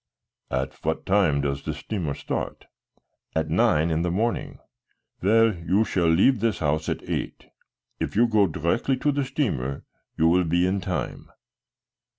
"At what time does this steamer start?" "At nine in the morning." "Well, you shall leave this house at eight. If you go directly to the steamer you will be in time."